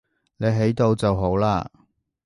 你喺度就好喇